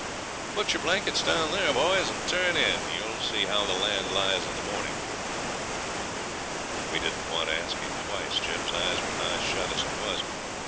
'Put your blankets down there, boys, and turn in. You'll see how the land lies in the morning.' We didn't want asking twice, Jim's eyes were nigh shut as it was.